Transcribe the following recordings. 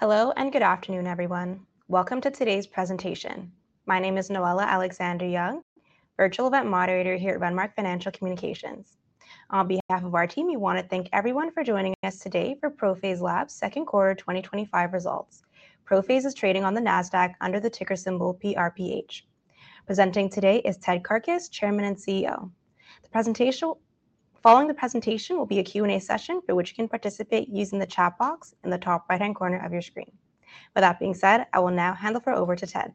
Hello and good afternoon, everyone. Welcome to today's presentation. My name is Noella Alexander-Young, Virtual Event Moderator here at Venmark Financial Communications. On behalf of our team, we want to thank everyone for joining us today for ProPhase Labs' Second Quarter 2025 Results. ProPhase is trading on the NASDAQ under the ticker symbol PRPH. Presenting today is Ted Karkus, Chairman and CEO. The following presentation will be a Q&A session for which you can participate using the chat box in the top right-hand corner of your screen. With that being said, I will now hand over to Ted.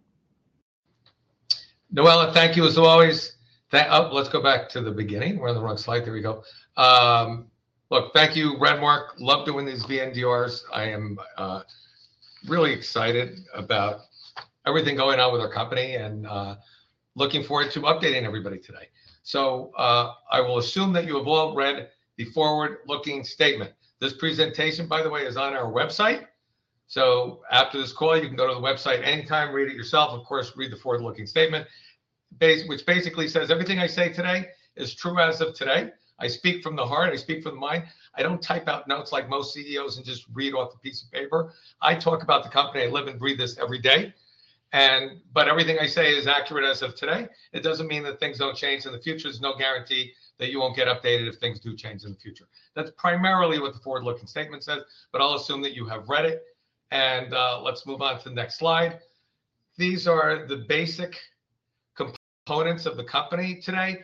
Noella, thank you as always. Let's go back to the beginning. We're on the wrong slide. There we go. Thank you, Venmark. Love doing these VNDRs. I am really excited about everything going on with our company and looking forward to updating everybody today. I will assume that you have all read the forward-looking statement. This presentation, by the way, is on our website. After this call, you can go to the website anytime, read it yourself. Of course, read the forward-looking statement, which basically says everything I say today is true as of today. I speak from the heart. I speak from the mind. I don't type out notes like most CEOs and just read off a piece of paper. I talk about the company. I live in, breathe this every day. Everything I say is accurate as of today. It doesn't mean that things don't change in the future. There's no guarantee that you won't get updated if things do change in the future. That's primarily what the forward-looking statement says, but I'll assume that you have read it. Let's move on to the next slide. These are the basic components of the company today.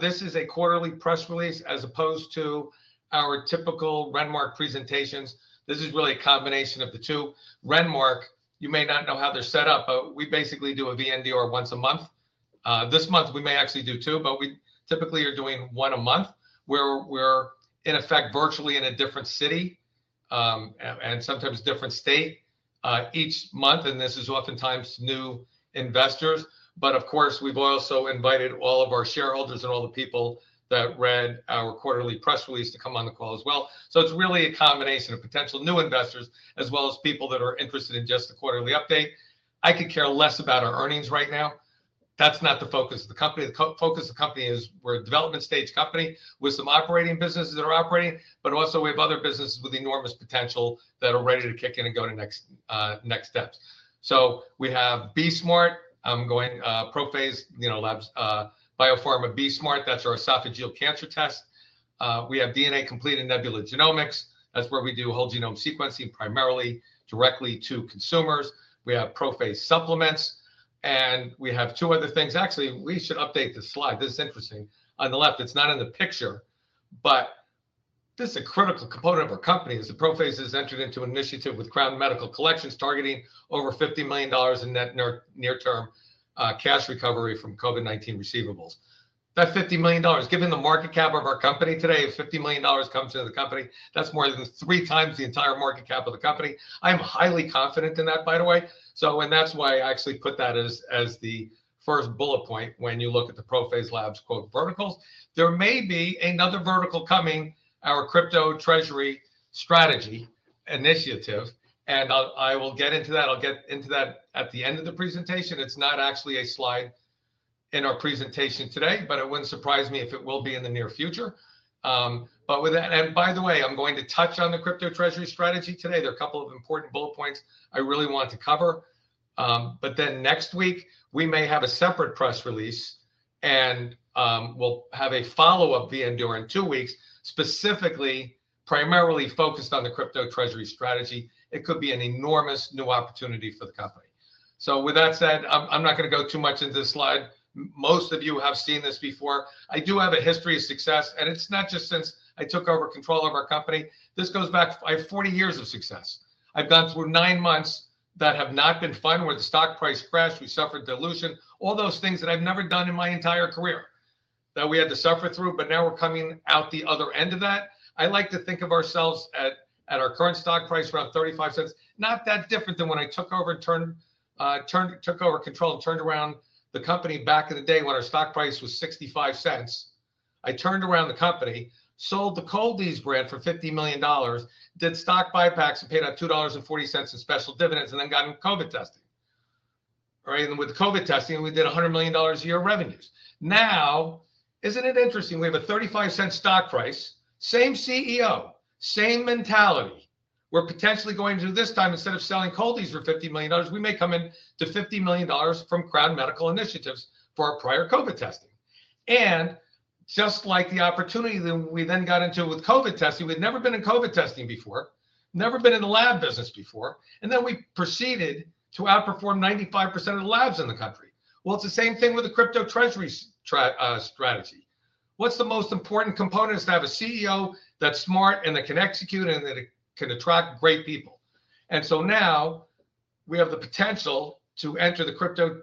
This is a quarterly press release as opposed to our typical Venmark presentations. This is really a combination of the two. Venmark, you may not know how they're set up, but we basically do a VNDR once a month. This month, we may actually do two, but we typically are doing one a month where we're in effect virtually in a different city and sometimes a different state each month. This is oftentimes new investors. Of course, we've also invited all of our shareholders and all the people that read our quarterly press release to come on the call as well. It's really a combination of potential new investors as well as people that are interested in just a quarterly update. I could care less about our earnings right now. That's not the focus of the company. The focus of the company is we're a development stage company with some operating businesses that are operating, but also we have other businesses with enormous potential that are ready to kick in and go to next steps. We have BE-Smart. I'm going ProPhase, you know, Labs, Biopharma BE-Smart. That's our esophageal cancer test. We have DNA Complete and Nebula Genomics. That's where we do whole genome sequencing primarily directly to consumers. We have ProPhase supplements. We have two other things. Actually, we should update this slide. This is interesting. On the left, it's not in the picture, but this is a critical component of our company as ProPhase Labs has entered into an initiative with Crown Medical Collections targeting over $50 million in net near-term cash recovery from COVID-19 receivables. That's $50 million. Given the market cap of our company today, if $50 million comes into the company, that's more than 3x the entire market cap of the company. I am highly confident in that, by the way. That's why I actually put that as the first bullet point when you look at the ProPhase Labs verticals. There may be another vertical coming, our crypto treasury strategy initiative. I will get into that. I'll get into that at the end of the presentation. It's not actually a slide in our presentation today, but it wouldn't surprise me if it will be in the near future. By the way, I'm going to touch on the crypto treasury strategy today. There are a couple of important bullet points I really want to cover. Next week, we may have a separate press release and we'll have a follow-up VNDR in two weeks, specifically primarily focused on the crypto treasury strategy. It could be an enormous new opportunity for the company. With that said, I'm not going to go too much into this slide. Most of you have seen this before. I do have a history of success, and it's not just since I took over control of our company. This goes back, I have 40 years of success. I've gone through nine months that have not been fun where the stock price crashed, we suffered dilution, all those things that I've never done in my entire career that we had to suffer through. Now we're coming out the other end of that. I like to think of ourselves at our current stock price around $0.35. Not that different than when I took over control and turned around the company back in the day when our stock price was $0.65. I turned around the company, sold the Cold-EEZE brand for $50 million, did stock buybacks and paid out $2.40 in special dividends, and then got COVID tested. With COVID testing, we did $100 million a year revenues. Now, isn't it interesting? We have a $0.35 stock price, same CEO, same mentality. We're potentially going to this time instead of selling Cold-EEZE for $50 million, we may come in to $50 million from Crown Medical Collections initiatives for our prior COVID testing. Just like the opportunity that we then got into with COVID testing, we'd never been in COVID testing before, never been in the lab business before, and then we proceeded to outperform 95% of the labs in the country. It's the same thing with the crypto treasury strategy. What's the most important component is to have a CEO that's smart and that can execute and that can attract great people. Now we have the potential to enter the crypto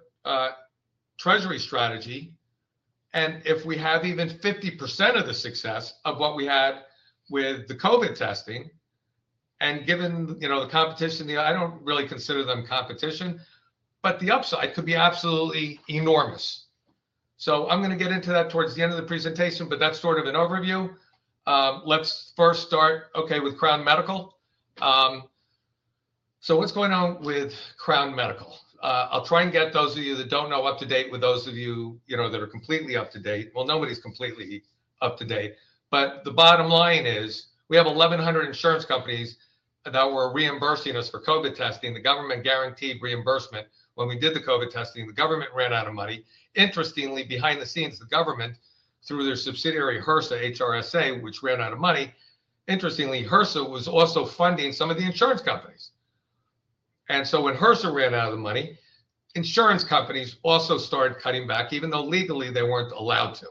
treasury strategy. If we have even 50% of the success of what we had with the COVID testing and given the competition, I don't really consider them competition, but the upside could be absolutely enormous. I'm going to get into that towards the end of the presentation, but that's sort of an overview. Let's first start, OK, with Crown Medical. What's going on with Crown Medical? I'll try and get those of you that don't know up to date with those of you that are completely up to date. Nobody's completely up to date. The bottom line is we have 1,100 insurance companies that were reimbursing us for COVID testing. The government guaranteed reimbursement when we did the COVID testing. The government ran out of money. Interestingly, behind the scenes, the government, through their subsidiary HRSA, which ran out of money, interestingly, HRSA was also funding some of the insurance companies. When HRSA ran out of the money, insurance companies also started cutting back, even though legally they weren't allowed to.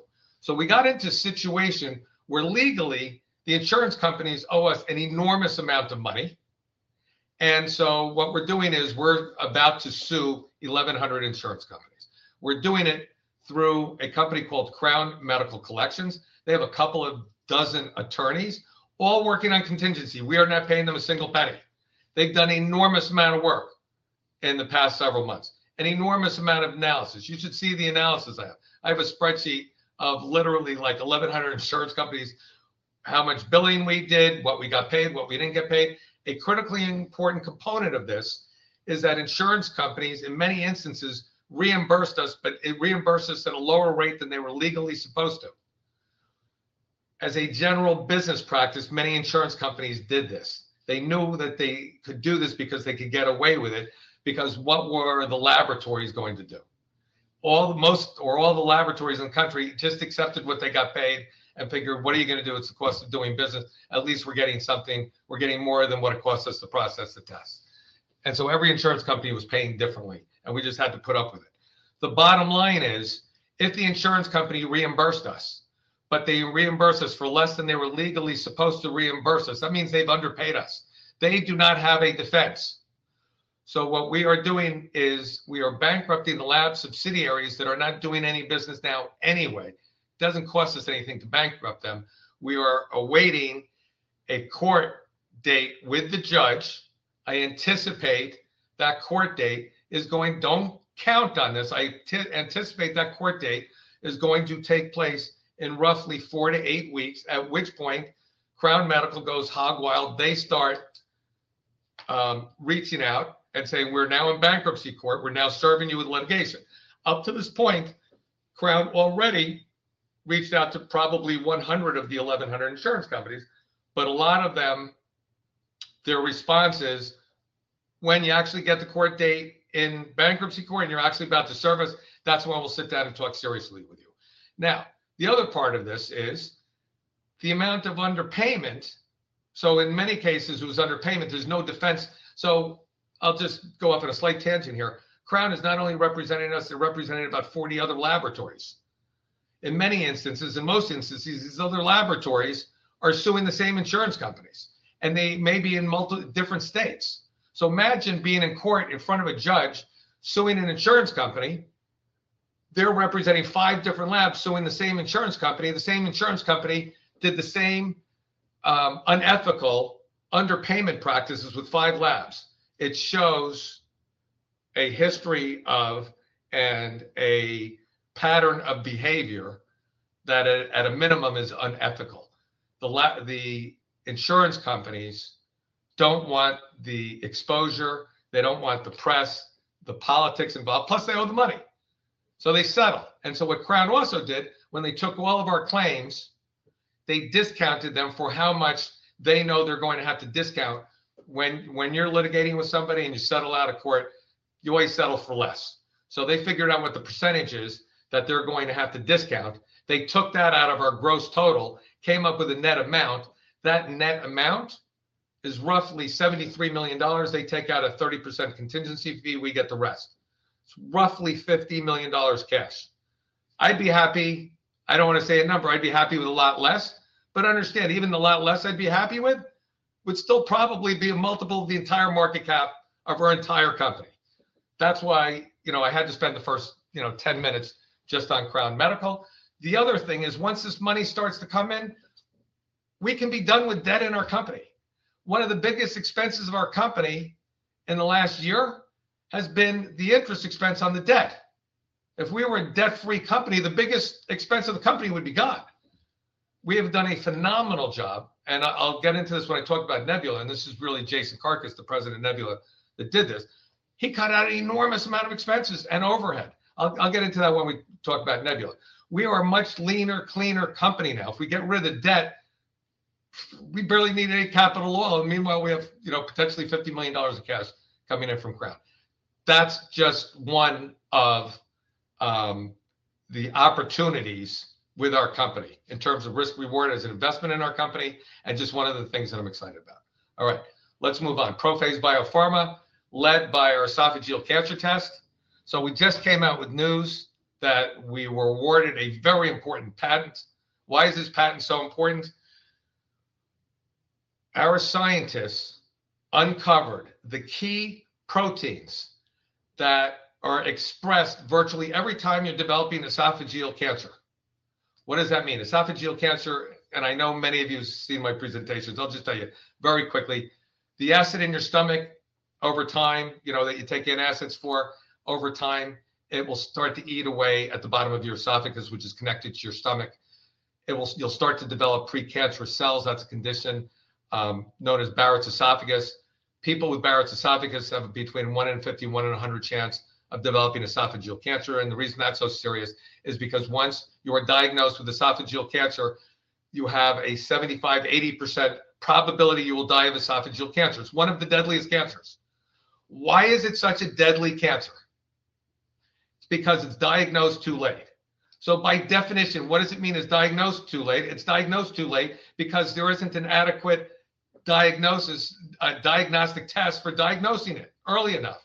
We got into a situation where legally the insurance companies owe us an enormous amount of money. What we're doing is we're about to sue 1,100 insurance companies. We're doing it through a company called Crown Medical Collections. They have a couple of dozen attorneys all working on contingency. We are not paying them a single penny. They've done an enormous amount of work in the past several months, an enormous amount of analysis. You should see the analysis I have. I have a spreadsheet of literally like 1,100 insurance companies, how much billing we did, what we got paid, what we didn't get paid. A critically important component of this is that insurance companies, in many instances, reimbursed us, but it reimbursed us at a lower rate than they were legally supposed to. As a general business practice, many insurance companies did this. They knew that they could do this because they could get away with it. What were the laboratories going to do? Most or all the laboratories in the country just accepted what they got paid and figured, what are you going to do? It's the cost of doing business. At least we're getting something. We're getting more than what it costs us to process the test. Every insurance company was paying differently, and we just had to put up with it. The bottom line is if the insurance company reimbursed us, but they reimbursed us for less than they were legally supposed to reimburse us, that means they've underpaid us. They do not have a defense. What we are doing is we are bankrupting the lab subsidiaries that are not doing any business now anyway. It doesn't cost us anything to bankrupt them. We are awaiting a court date with the judge. I anticipate that court date is going to take place in roughly four to eight weeks, at which point Crown Medical Collections goes hog wild. They start reaching out and saying, we're now in bankruptcy court. We're now serving you with litigation. Up to this point, Crown Medical Collections already reached out to probably 100 of the 1,100 insurance companies. A lot of them, their response is, when you actually get the court date in bankruptcy court and you're actually about to serve us, that's when we'll sit down and talk seriously with you. The other part of this is the amount of underpayment. In many cases, it was underpayment. There's no defense. I'll just go off on a slight tangent here. Crown Medical Collections is not only representing us. They're representing about 40 other laboratories. In many instances, in most instances, these other laboratories are suing the same insurance companies, and they may be in multiple different states. Imagine being in court in front of a judge suing an insurance company. They're representing five different labs suing the same insurance company. The same insurance company did the same unethical underpayment practices with five labs. It shows a history of and a pattern of behavior that, at a minimum, is unethical. The insurance companies don't want the exposure. They don't want the press, the politics involved. Plus, they owe the money. They settle. What Crown Medical Collections also did when they took all of our claims, they discounted them for how much they know they're going to have to discount. When you're litigating with somebody and you settle out of court, you always settle for less. They figured out what the % is that they're going to have to discount. They took that out of our gross total, came up with a net amount. That net amount is roughly $73 million. They take out a 30% contingency fee. We get the rest. It's roughly $50 million cash. I'd be happy. I don't want to say a number. I'd be happy with a lot less. Understand, even the lot less I'd be happy with would still probably be a multiple of the entire market cap of our entire company. That's why I had to spend the first 10 minutes just on Crown Medical Collections. The other thing is once this money starts to come in, we can be done with debt in our company. One of the biggest expenses of our company in the last year has been the interest expense on the debt. If we were a debt-free company, the biggest expense of the company would be gone. We have done a phenomenal job. I'll get into this when I talk about Nebula Genomics. This is really Jason Karkus, the President of Nebula Genomics, that did this. He cut out an enormous amount of expenses and overhead. I'll get into that when we talk about Nebula Genomics. We are a much leaner, cleaner company now. If we get rid of debt, we barely need any capital at all. Meanwhile, we have potentially $50 million of cash coming in from Crown Medical Collections. That's just one of the opportunities with our company in terms of risk-reward as an investment in our company and just one of the things that I'm excited about. All right, let's move on. ProPhase Biopharma led by our BE-Smart Esophageal Cancer Test. We just came out with news that we were awarded a very important patent. Why is this patent so important? Our scientists uncovered the key proteins that are expressed virtually every time you're developing esophageal cancer. What does that mean? Esophageal cancer, and I know many of you have seen my presentations, I'll just tell you very quickly, the acid in your stomach over time, you know that you take in acids for, over time, it will start to eat away at the bottom of your esophagus, which is connected to your stomach. You'll start to develop precancerous cells. That's a condition known as Barrett's esophagus. People with Barrett's esophagus have between a 1 in 50 and 1 in 100 chance of developing esophageal cancer. The reason that's so serious is because once you are diagnosed with esophageal cancer, you have a 75%-80% probability you will die of esophageal cancer. It's one of the deadliest cancers. Why is it such a deadly cancer? It's diagnosed too late. By definition, what does it mean it's diagnosed too late? It's diagnosed too late because there isn't an adequate diagnostic test for diagnosing it early enough.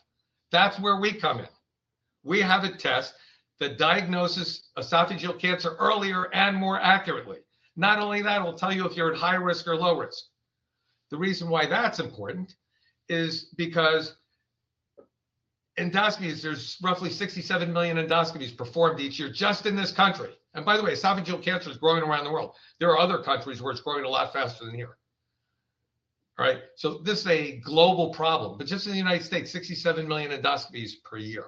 That's where we come in. We have a test that diagnoses esophageal cancer earlier and more accurately. Not only that, it'll tell you if you're at high risk or low risk. The reason why that's important is because endoscopies, there's roughly 67 million endoscopies performed each year just in this country. By the way, esophageal cancer is growing around the world. There are other countries where it's growing a lot faster than here. This is a global problem. Just in the United States, 67 million endoscopies per year.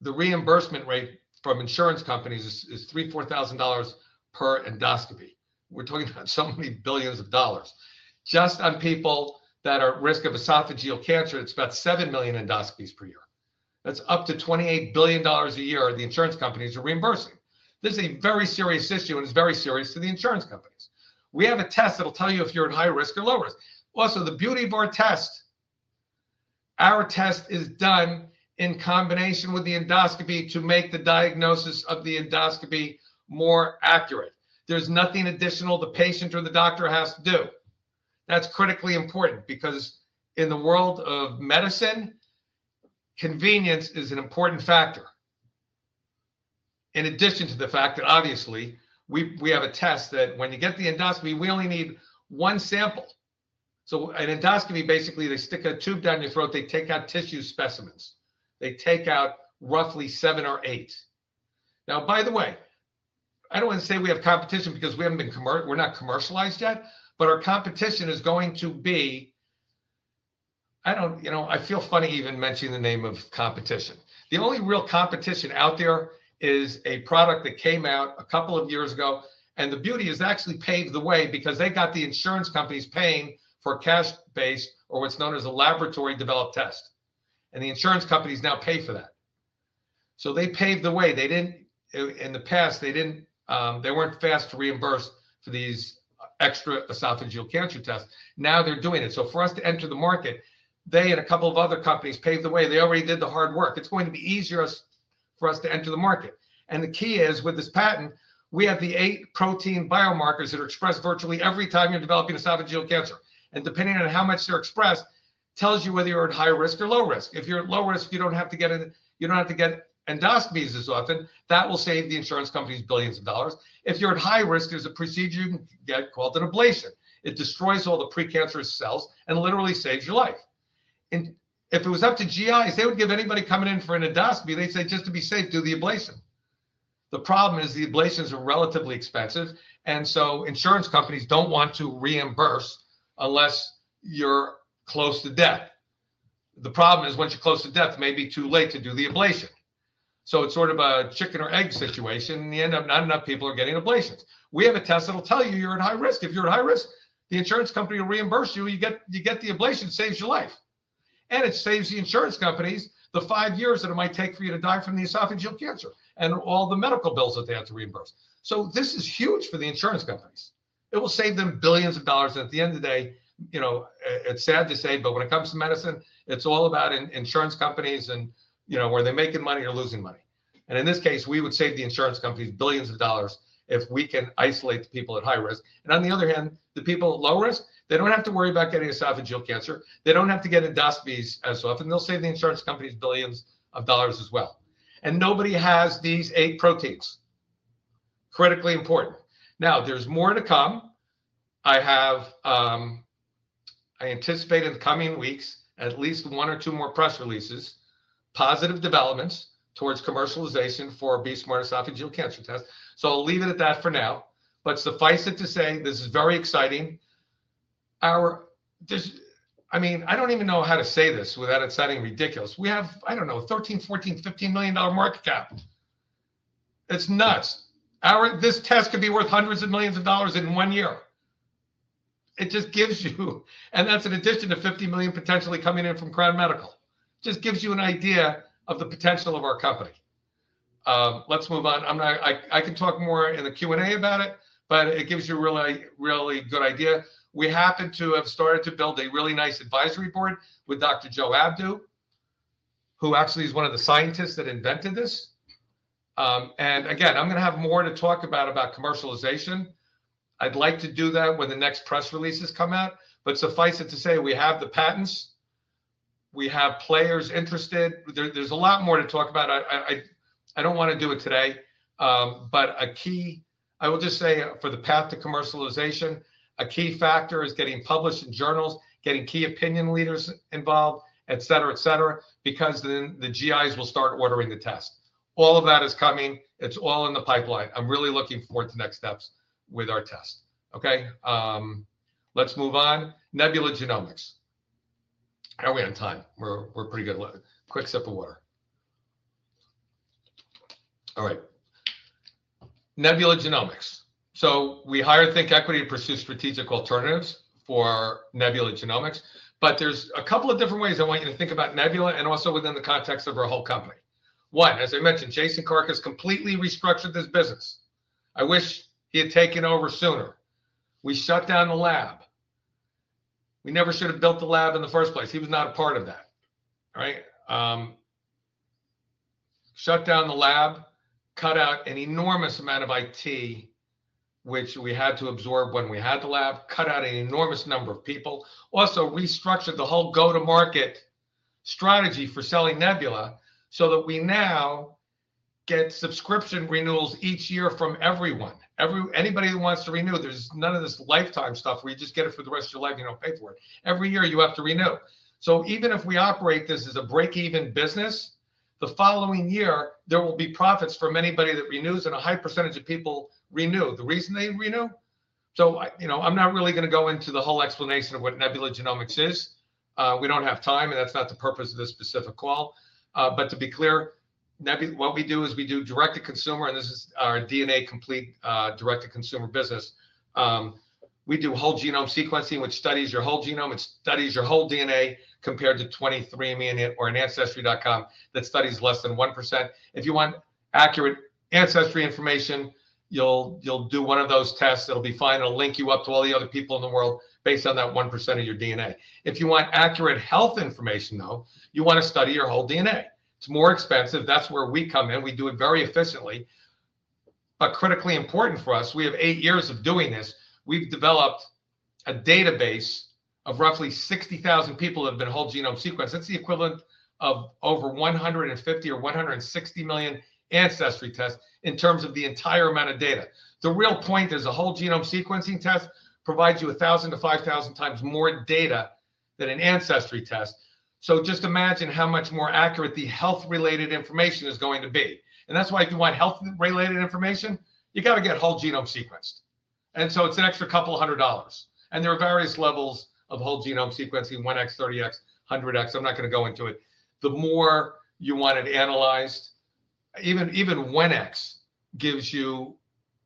The reimbursement rate from insurance companies is $3,000-$4,000 per endoscopy. We're talking about so many billions of dollars. Just on people that are at risk of esophageal cancer, it's about 7 million endoscopies per year. That's up to $28 billion a year the insurance companies are reimbursing. This is a very serious issue, and it's very serious to the insurance companies. We have a test that'll tell you if you're at high risk or low risk. Also, the beauty of our test, our test is done in combination with the endoscopy to make the diagnosis of the endoscopy more accurate. There's nothing additional the patient or the doctor has to do. That's critically important because in the world of medicine, convenience is an important factor. In addition to the fact that, obviously, we have a test that when you get the endoscopy, we only need one sample. An endoscopy, basically, they stick a tube down your throat. They take out tissue specimens. They take out roughly seven or eight. I don't want to say we have competition because we haven't been commercialized yet. Our competition is going to be, I don't, you know, I feel funny even mentioning the name of competition. The only real competition out there is a product that came out a couple of years ago. The beauty is actually paved the way because they got the insurance companies paying for a cash-based or what's known as a laboratory-developed test. The insurance companies now pay for that. They paved the way. In the past, they weren't fast to reimburse for these extra esophageal cancer tests. Now they're doing it. For us to enter the market, they and a couple of other companies paved the way. They already did the hard work. It's going to be easier for us to enter the market. The key is with this patent, we have the eight protein biomarkers that are expressed virtually every time you're developing esophageal cancer. Depending on how much they're expressed, it tells you whether you're at high risk or low risk. If you're at low risk, you don't have to get endoscopies as often. That will save the insurance companies billions of dollars. If you're at high risk, there's a procedure you can get called an ablation. It destroys all the precancerous cells and literally saves your life. If it was up to GIs, they would give anybody coming in for an endoscopy, they'd say, just to be safe, do the ablation. The problem is the ablations are relatively expensive, and insurance companies don't want to reimburse unless you're close to death. The problem is once you're close to death, it may be too late to do the ablation. It's sort of a chicken or egg situation, and not enough people are getting ablations. We have a test that'll tell you you're at high risk. If you're at high risk, the insurance company will reimburse you. You get the ablation. It saves your life, and it saves the insurance companies the five years that it might take for you to die from the esophageal cancer and all the medical bills that they have to reimburse. This is huge for the insurance companies. It will save them billions of dollars. At the end of the day, you know, it's sad to say, but when it comes to medicine, it's all about insurance companies and, you know, are they making money or losing money? In this case, we would save the insurance companies billions of dollars if we can isolate the people at high risk. On the other hand, the people at low risk, they don't have to worry about getting esophageal cancer. They don't have to get endoscopies as often. They'll save the insurance companies billions of dollars as well. Nobody has these eight proteins. Critically important. There's more to come. I anticipate in the coming weeks, at least one or two more press releases, positive developments towards commercialization for BE-Smart Esophageal Cancer Test. I'll leave it at that for now. Suffice it to say, this is very exciting. I don't even know how to say this without it sounding ridiculous. We have, I don't know, $13 million, $14 million, $15 million market cap. It's nuts. This test could be worth hundreds of millions of dollars in one year. It just gives you, and that's in addition to $50 million potentially coming in from Crown Medical. It just gives you an idea of the potential of our company. Let's move on. I can talk more in the Q&A about it, but it gives you a really, really good idea. We happen to have started to build a really nice advisory board with Dr. Joe Abdo, who actually is one of the scientists that invented this. I'm going to have more to talk about commercialization. I'd like to do that when the next press releases come out. Suffice it to say, we have the patents. We have players interested. There's a lot more to talk about. I don't want to do it today. A key, I will just say, for the path to commercialization, a key factor is getting published in journals, getting key opinion leaders involved, et cetera, et cetera, because then the GIs will start ordering the test. All of that is coming. It's all in the pipeline. I'm really looking forward to the next steps with our test. OK, let's move on. Nebula Genomics. I know we're on time. We're pretty good. Quick sip of water. All right. Nebula Genomics. We hire ThinkEquity to pursue strategic alternatives for Nebula Genomics. There are a couple of different ways I want you to think about Nebula and also within the context of our whole company. Why? As I mentioned, Jason Karkus completely restructured this business. I wish he had taken over sooner. We shut down the lab. We never should have built the lab in the first place. He was not a part of that. Shut down the lab, cut out an enormous amount of IT, which we had to absorb when we had the lab, cut out an enormous number of people, also restructured the whole go-to-market strategy for selling Nebula so that we now get subscription renewals each year from everyone. Anybody who wants to renew, there's none of this lifetime stuff where you just get it for the rest of your life and you don't pay for it. Every year, you have to renew. Even if we operate this as a break-even business, the following year, there will be profits from anybody that renews and a high percentage of people renew. The reason they renew? I'm not really going to go into the whole explanation of what Nebula Genomics is. We don't have time, and that's not the purpose of this specific call. To be clear, what we do is we do direct-to-consumer, and this is our DNA Complete direct-to-consumer business. We do whole genome sequencing, which studies your whole genome. It studies your whole DNA compared to 23andMe or ancestry.com that studies less than 1%. If you want accurate ancestry information, you'll do one of those tests. It'll be fine. It'll link you up to all the other people in the world based on that 1% of your DNA. If you want accurate health information, though, you want to study your whole DNA. It's more expensive. That's where we come in. We do it very efficiently. Critically important for us, we have eight years of doing this. We've developed a database of roughly 60,000 people that have been whole genome sequenced. That's the equivalent of over 150 or 160 million ancestry tests in terms of the entire amount of data. The real point is a whole genome sequencing test provides you 1,000x-5,000x more data than an ancestry test. Just imagine how much more accurate the health-related information is going to be. That's why if you want health-related information, you've got to get whole genome sequenced. It's an extra couple hundred dollars. There are various levels of whole genome sequencing: 1x, 30x, 100x. I'm not going to go into it. The more you want it analyzed, even 1x gives you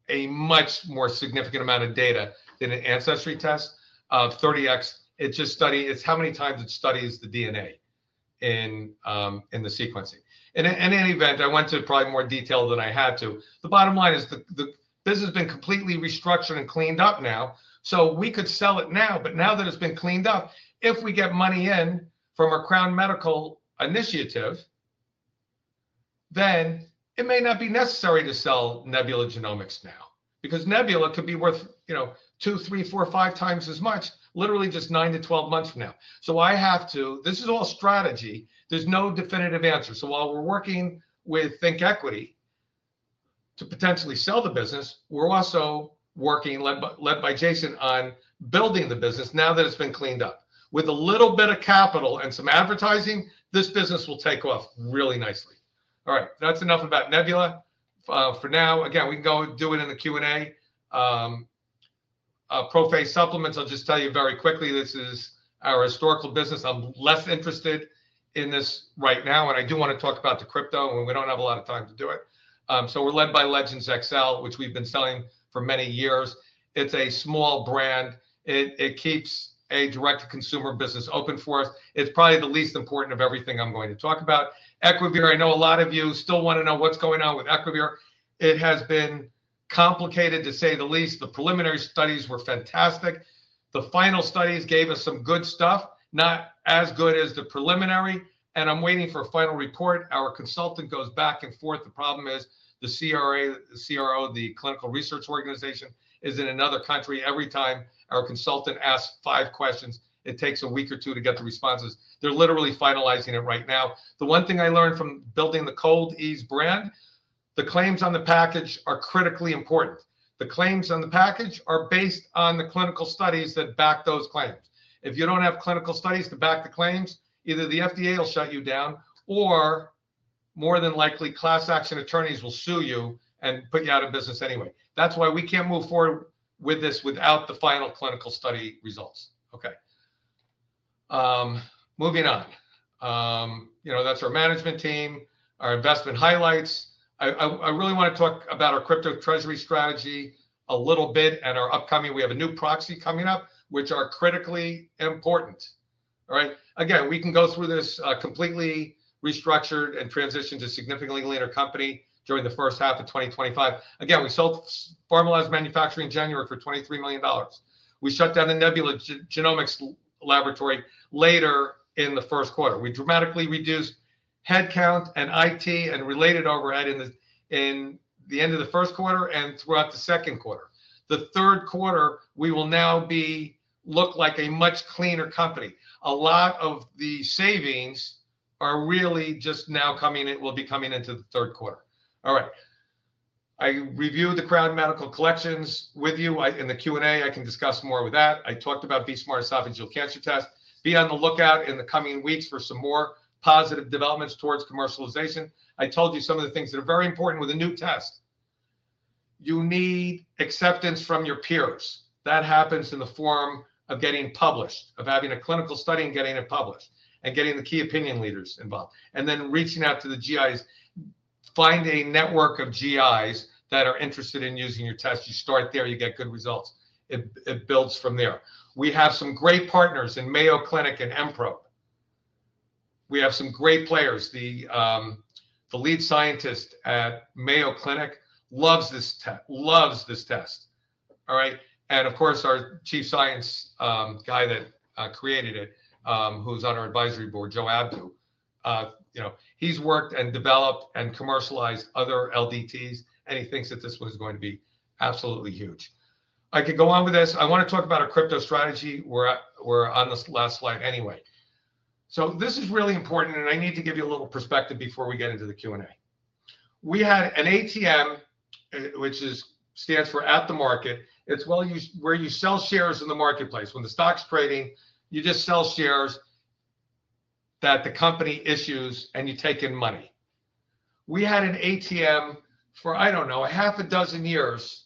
a much more significant amount of data than an ancestry test. 30x, it's just studying how many times it studies the DNA in the sequencing. In any event, I went to probably more detail than I had to. The bottom line is this has been completely restructured and cleaned up now. We could sell it now. Now that it's been cleaned up, if we get money in from our Crown Medical initiative, it may not be necessary to sell Nebula Genomics now because Nebula could be worth 2x, 3x, 4x, 5x as much, literally just 9-12 months from now. This is all strategy. There's no definitive answer. While we're working with ThinkEquity to potentially sell the business, we're also working, led by Jason, on building the business now that it's been cleaned up. With a little bit of capital and some advertising, this business will take off really nicely. All right, that's enough about Nebula for now. We can go do it in the Q&A. ProPhase supplements, I'll just tell you very quickly, this is our historical business. I'm less interested in this right now. I do want to talk about the crypto. We don't have a lot of time to do it. We're led by Legendz XL, which we've been selling for many years. It's a small brand. It keeps a direct-to-consumer business open for us. It's probably the least important of everything I'm going to talk about. Equivir, I know a lot of you still want to know what's going on with Equivir. It has been complicated, to say the least. The preliminary studies were fantastic. The final studies gave us some good stuff, not as good as the preliminary. I'm waiting for a final report. Our consultant goes back and forth. The problem is the CRO, the Clinical Research Organization, is in another country. Every time our consultant asks five questions, it takes a week or two to get the responses. They're literally finalizing it right now. The one thing I learned from building the Cold-EEZE brand, the claims on the package are critically important. The claims on the package are based on the clinical studies that back those claims. If you don't have clinical studies to back the claims, either the FDA will shut you down or, more than likely, class action attorneys will sue you and put you out of business anyway. That's why we can't move forward with this without the final clinical study results. Okay, moving on. That's our management team, our investment highlights. I really want to talk about our crypto treasury strategy a little bit and our upcoming—we have a new proxy coming up, which are critically important. All right, again, we can go through this completely restructured and transitioned to a significantly leaner company during the first half of 2025. Again, we sold Pharmaloz Manufacturing in January for $23 million. We shut down the Nebula Genomics laboratory later in the first quarter. We dramatically reduced headcount and IT and related overhead in the end of the first quarter and throughout the second quarter. The third quarter, we will now look like a much cleaner company. A lot of the savings are really just now coming—it will be coming into the third quarter. All right, I reviewed the Crown Medical Collections with you in the Q&A. I can discuss more with that. I talked about BE-Smart Esophageal Cancer Test. Be on the lookout in the coming weeks for some more positive developments towards commercialization. I told you some of the things that are very important with a new test. You need acceptance from your peers. That happens in the form of getting published, of having a clinical study and getting it published and getting the key opinion leaders involved. You reach out to the GIs. Find a network of GIs that are interested in using your test. You start there. You get good results. It builds from there. We have some great partners in Mayo Clinic and EMPRO. We have some great players. The lead scientist at Mayo Clinic loves this test, loves this test. Of course, our Chief Science Guy that created it, who's on our advisory board, Joe Abdo, he's worked and developed and commercialized other LDTs. He thinks that this one is going to be absolutely huge. I could go on with this. I want to talk about a crypto strategy. We're on this last slide anyway. This is really important. I need to give you a little perspective before we get into the Q&A. We had an ATM, which stands for at the market. It's where you sell shares in the marketplace. When the stock's trading, you just sell shares that the company issues, and you take in money. We had an ATM for, I don't know, half a dozen years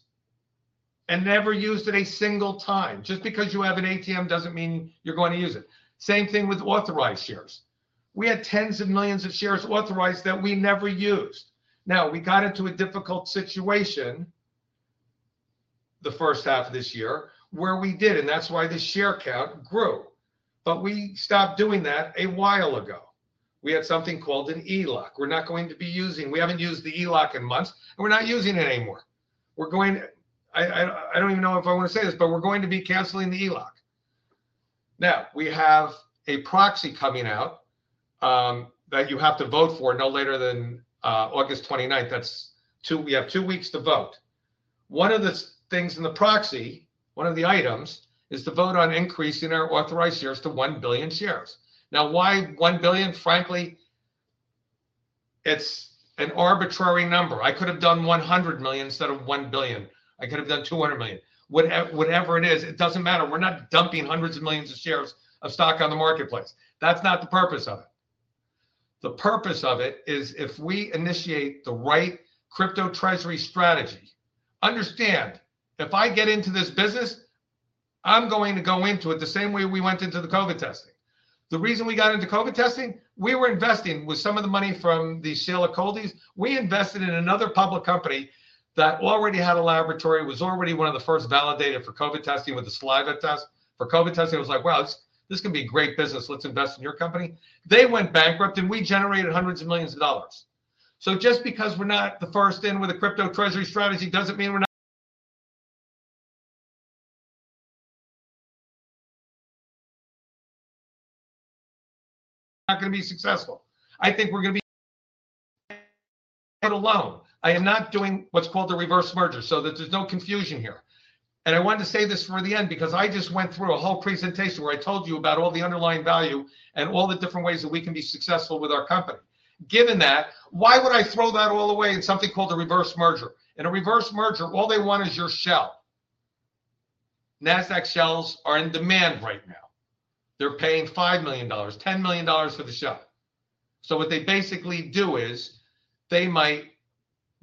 and never used it a single time. Just because you have an ATM doesn't mean you're going to use it. Same thing with authorized shares. We had tens of millions of shares authorized that we never used. Now, we got into a difficult situation the first half of this year where we did, and that's why the share count grew. We stopped doing that a while ago. We had something called an ELOC. We're not going to be using it. We haven't used the ELOC in months, and we're not using it anymore. We're going, I don't even know if I want to say this, but we're going to be canceling the ELOC. Now, we have a proxy coming out that you have to vote for no later than August 29. We have two weeks to vote. One of the things in the proxy, one of the items, is the vote on increasing our authorized shares to $1 billion shares. Now, why 1 billion? Frankly, it's an arbitrary number. I could have done $100 million instead of $1 billion. I could have done $200 million. Whatever it is, it doesn't matter. We're not dumping hundreds of millions of shares of stock on the marketplace. That's not the purpose of it. The purpose of it is if we initiate the right crypto treasury strategy. Understand, if I get into this business, I'm going to go into it the same way we went into the COVID testing. The reason we got into COVID testing, we were investing with some of the money from the sale of Cold-EEZE. We invested in another public company that already had a laboratory, was already one of the first validators for COVID testing with the saliva test. For COVID testing, I was like, wow, this can be great business. Let's invest in your company. They went bankrupt, and we generated hundreds of millions of dollars. Just because we're not the first in with a crypto treasury strategy doesn't mean we're not going to be successful. I think we're going to be, and alone. I am not doing what's called a reverse merger so that there's no confusion here. I wanted to say this for the end because I just went through a whole presentation where I told you about all the underlying value and all the different ways that we can be successful with our company. Given that, why would I throw that all away in something called a reverse merger? In a reverse merger, all they want is your shell. Nasdaq shells are in demand right now. They're paying $5 million, $10 million for the shell. What they basically do is they might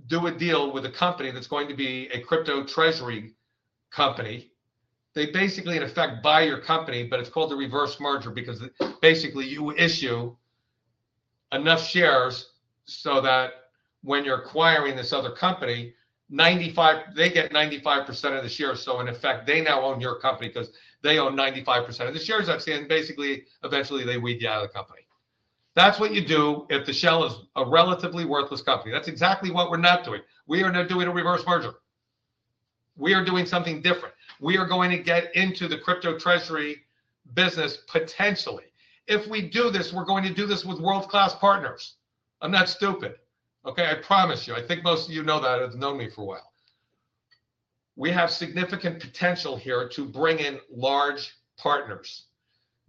do a deal with a company that's going to be a crypto treasury company. They basically, in effect, buy your company, but it's called a reverse merger because basically you issue enough shares so that when you're acquiring this other company, they get 95% of the shares. In effect, they now own your company because they own 95% of the shares that stand. Eventually, they weed you out of the company. That's what you do if the shell is a relatively worthless company. That's exactly what we're not doing. We are not doing a reverse merger. We are doing something different. We are going to get into the crypto treasury business potentially. If we do this, we're going to do this with world-class partners. I'm not stupid. Okay, I promise you. I think most of you know that and have known me for a while. We have significant potential here to bring in large partners.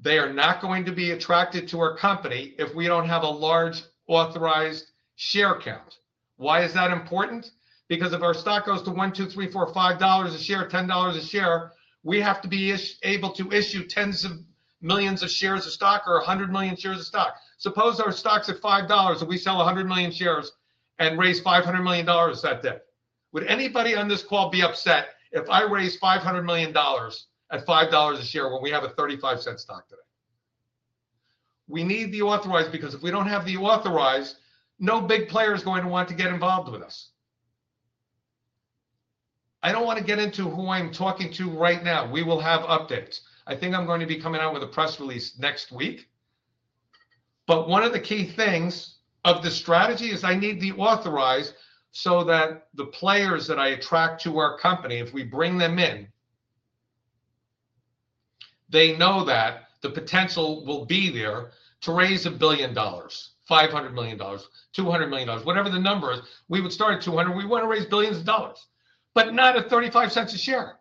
They are not going to be attracted to our company if we don't have a large authorized share count. Why is that important? If our stock goes to $1, $2, $3, $4, $5 a share, $10 a share, we have to be able to issue tens of millions of shares of stock or 100 million shares of stock. Suppose our stock's at $5 and we sell 100 million shares and raise $500 million that day. Would anybody on this call be upset if I raised $500 million at $5 a share when we have a $0.35 stock today? We need the authorized because if we don't have the authorized, no big player is going to want to get involved with us. I don't want to get into who I'm talking to right now. We will have updates. I think I'm going to be coming out with a press release next week. One of the key things of the strategy is I need the authorized so that the players that I attract to our company, if we bring them in, they know that the potential will be there to raise $1 billion, $500 million, $200 million, whatever the number is. We would start at $200 million. We want to raise billions of dollars, but not at $0.35 a share.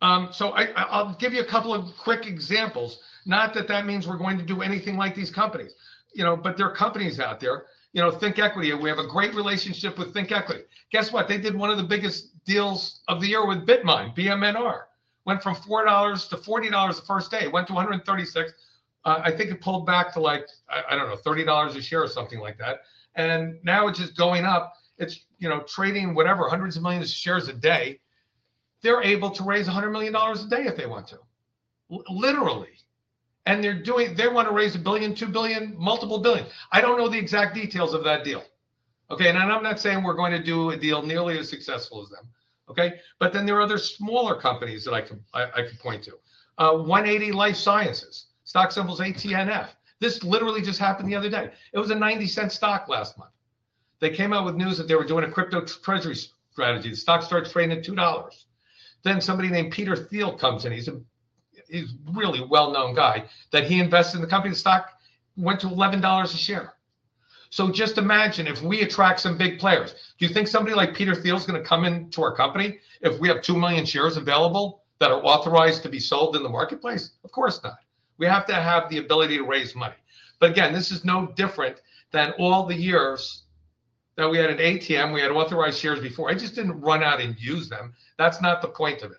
I'll give you a couple of quick examples. Not that that means we're going to do anything like these companies. There are companies out there. ThinkEquity, we have a great relationship with ThinkEquity. Guess what? They did one of the biggest deals of the year with Bitmine, BMNR. It went from $4-$40 the first day. It went to $136. I think it pulled back to, like, I don't know, $30 a share or something like that. Now it's just going up. It's trading, whatever, hundreds of millions of shares a day. They're able to raise $100 million a day if they want to, literally. They want to raise $1 billion, $2 billion, multiple billion. I don't know the exact details of that deal. I'm not saying we're going to do a deal nearly as successful as them. There are other smaller companies that I can point to. 180 Life Sciences, stock symbol ATNF. This literally just happened the other day. It was a $0.90 stock last month. They came out with news that they were doing a crypto treasury strategy. The stock started trading at $2. Then somebody named Peter Thiel comes in. He's a really well-known guy. He invests in the company. The stock went to $11 a share. Just imagine if we attract some big players. Do you think somebody like Peter Thiel is going to come into our company if we have 2 million shares available that are authorized to be sold in the marketplace? Of course not. We have to have the ability to raise money. This is no different than all the years that we had an ATM. We had authorized shares before. I just didn't run out and use them. That's not the point of it.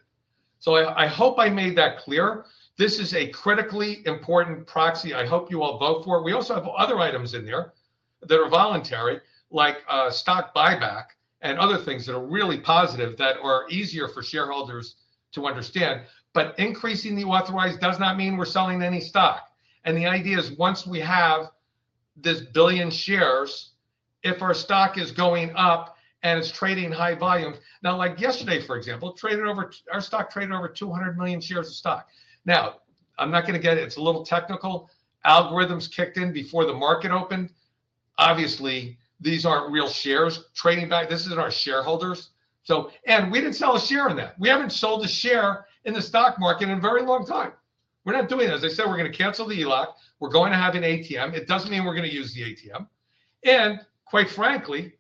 I hope I made that clear. This is a critically important proxy. I hope you all vote for it. We also have other items in there that are voluntary, like stock buyback and other things that are really positive that are easier for shareholders to understand. Increasing the authorized does not mean we're selling any stock. The idea is once we have this billion shares, if our stock is going up and it's trading high volume, not like yesterday, for example, our stock traded over 200 million shares of stock. Now, I'm not going to get it. It's a little technical. Algorithms kicked in before the market opened. Obviously, these aren't real shares trading back. This is our shareholders. We didn't sell a share in that. We haven't sold a share in the stock market in a very long time. We're not doing it. As I said, we're going to cancel the ELOC. We're going to have an ATM. It doesn't mean we're going to use the ATM. Quite frankly,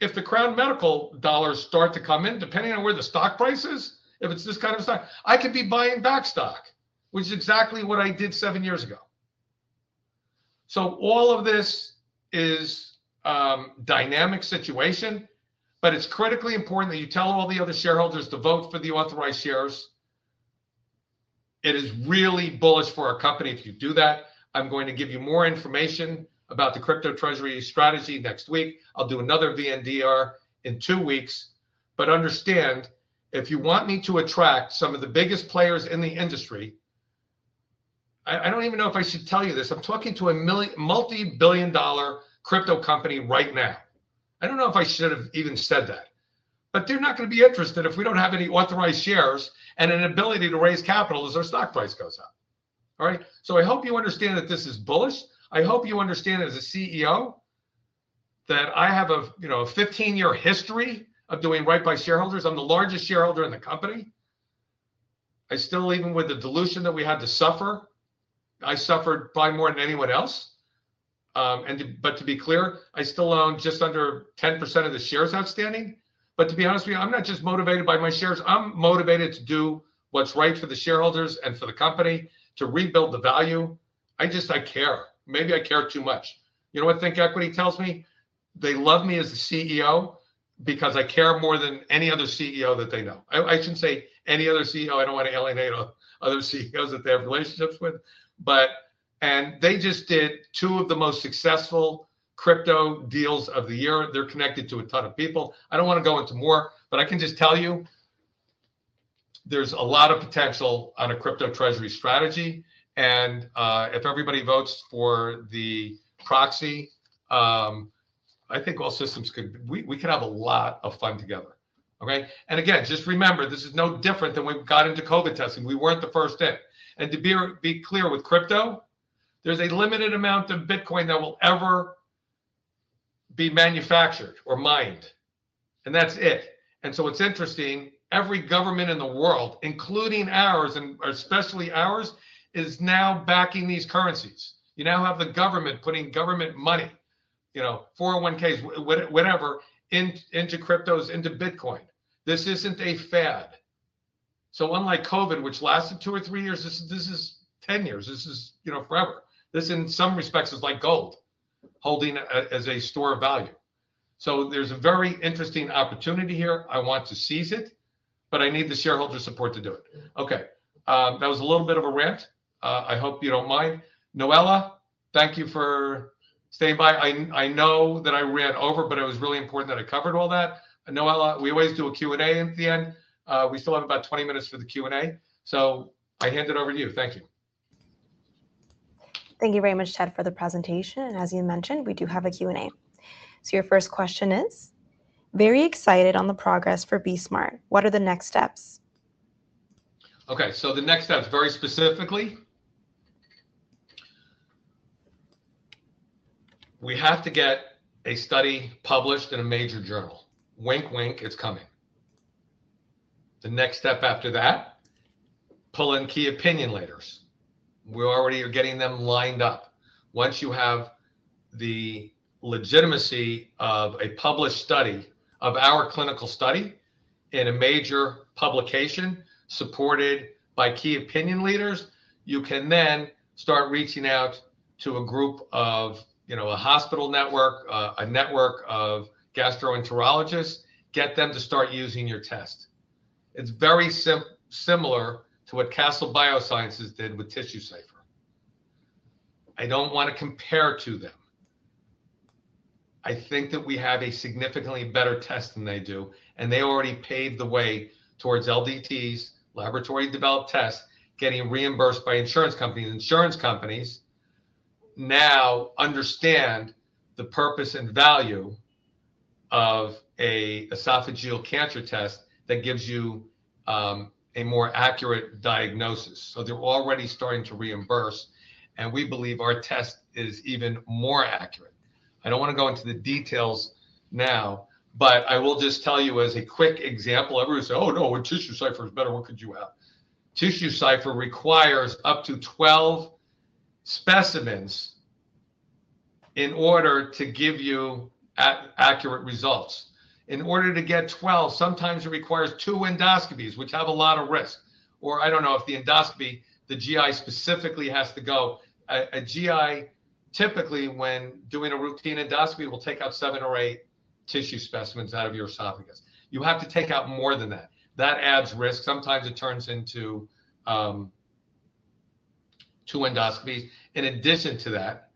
if the Crown Medical dollars start to come in, depending on where the stock price is, if it's this kind of stock, I could be buying back stock, which is exactly what I did seven years ago. All of this is a dynamic situation. It's critically important that you tell all the other shareholders to vote for the authorized shares. It is really bullish for our company if you do that. I'm going to give you more information about the crypto treasury strategy next week. I'll do another VNDR in two weeks. Understand, if you want me to attract some of the biggest players in the industry, I don't even know if I should tell you this. I'm talking to a multi-billion dollar crypto company right now. I don't know if I should have even said that. They're not going to be interested if we don't have any authorized shares and an ability to raise capital as our stock price goes up. I hope you understand that this is bullish. I hope you understand as a CEO that I have a 15-year history of doing right by shareholders. I'm the largest shareholder in the company. Even with the dilution that we had to suffer, I suffered by more than anyone else. To be clear, I still own just under 10% of the shares outstanding. To be honest with you, I'm not just motivated by my shares. I'm motivated to do what's right for the shareholders and for the company to rebuild the value. I care. Maybe I care too much. You know what ThinkEquity tells me? They love me as a CEO because I care more than any other CEO that they know. I shouldn't say any other CEO. I don't want to alienate other CEOs that they have relationships with. They just did two of the most successful crypto deals of the year. They're connected to a ton of people. I don't want to go into more. I can just tell you there's a lot of potential on a crypto treasury strategy. If everybody votes for the proxy, I think all systems could—we could have a lot of fun together. Okay, and again, just remember, this is no different than when we got into COVID testing. We weren't the first in. To be clear with crypto, there's a limited amount of Bitcoin that will ever be manufactured or mined. That's it. It's interesting, every government in the world, including ours, and especially ours, is now backing these currencies. You now have the government putting government money, you know, 401(k)s, whatever, into cryptos, into Bitcoin. This isn't a fad. Unlike COVID, which lasted two or three years, this is 10 years. This is forever. This, in some respects, is like gold holding as a store of value. There's a very interesting opportunity here. I want to seize it. I need the shareholder support to do it. OK, that was a little bit of a rant. I hope you don't mind. Noella, thank you for staying by. I know that I ran over, but it was really important that I covered all that. Noella, we always do a Q&A at the end. We still have about 20 minutes for the Q&A. I hand it over to you. Thank you. Thank you very much, Ted, for the presentation. As you mentioned, we do have a Q&A. Your first question is, very excited on the progress for BE-Smart. What are the next steps? OK, so the next steps, very specifically, we have to get a study published in a major journal. Wink, wink, it's coming. The next step after that, pull in key opinion leaders. We already are getting them lined up. Once you have the legitimacy of a published study of our clinical study in a major publication supported by key opinion leaders, you can then start reaching out to a group of a hospital network, a network of gastroenterologists, get them to start using your test. It's very similar to what Castle Biosciences did with TissueCypher. I don't want to compare to them. I think that we have a significantly better test than they do. They already paved the way towards LDTs, laboratory-developed tests, getting reimbursed by insurance companies. Insurance companies now understand the purpose and value of an esophageal cancer test that gives you a more accurate diagnosis. They're already starting to reimburse. We believe our test is even more accurate. I don't want to go into the details now. I will just tell you as a quick example. Everybody says, oh, no, TissueCypher is better. What could you have? TissueCypher requires up to 12 specimens in order to give you accurate results. In order to get 12, sometimes it requires two endoscopies, which have a lot of risk. I don't know if the endoscopy, the GI specifically has to go. A GI, typically, when doing a routine endoscopy, will take out seven or eight tissue specimens out of your esophagus. You have to take out more than that. That adds risk. Sometimes it turns into two endoscopies. In addition to that,